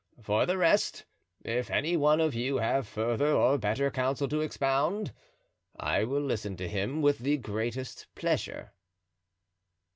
For the rest, if any one of you have further or better counsel to expound, I will listen to him with the greatest pleasure."